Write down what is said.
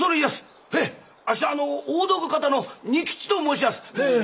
あっしはあの大道具方の仁吉と申しやす。